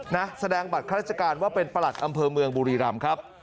นะแสดงบัตรข้าราชการว่าเป็นประหลัดอำเภอเมืองบุรีรำครับ